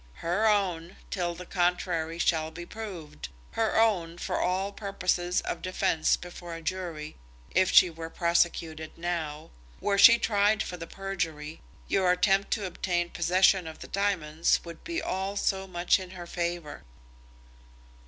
"Her own, till the contrary shall have been proved; her own, for all purposes of defence before a jury, if she were prosecuted now. Were she tried for the perjury, your attempt to obtain possession of the diamonds would be all so much in her favour."